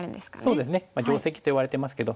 そうですね。定石といわれてますけど。